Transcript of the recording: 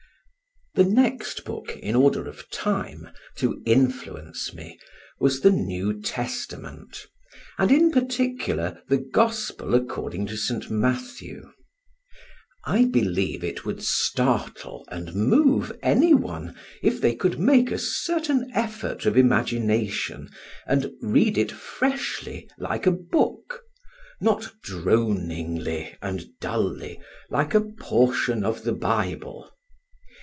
The next book, in order of time, to influence me, was the New Testament, and in particular the Gospel according to St. Matthew. I believe it would startle and move any one if they could make a certain effort of imagination and read it freshly like a book, not droningly and dully like a portion of the Bible.